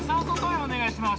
お願いします